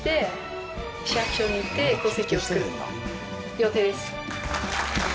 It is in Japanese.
予定です。